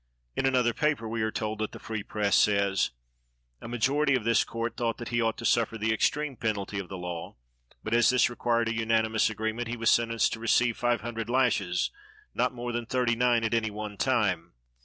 In another paper we are told that the Free Press says: A majority of the court thought that he ought to suffer the extreme penalty of the law; but, as this required a unanimous agreement, he was sentenced to receive five hundred lashes, not more than thirty nine at any one time.